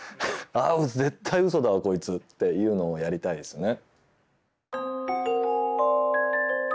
あ絶対嘘だわこいつっていうのをやりたいですよね。